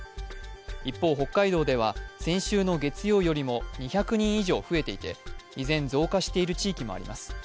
一方、北海道では先週の月曜よりも２００人以上増えていて依然、増加している地域もあります